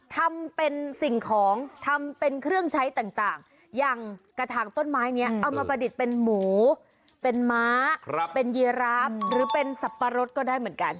ทำเป็นสิ่งของทำเป็นเครื่องใช้ต่างอย่างกระถางต้นไม้นี้เอามาประดิษฐ์เป็นหมูเป็นม้าเป็นยีราฟหรือเป็นสับปะรดก็ได้เหมือนกัน